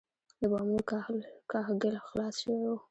د بامونو کاهګل خلاص شوی و.